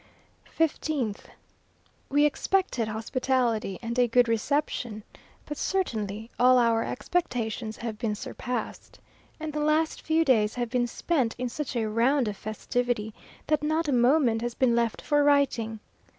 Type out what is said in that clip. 15th. We expected hospitality and a good reception, but certainly all our expectations have been surpassed, and the last few days have been spent in such a round of festivity, that not a moment has been left for writing.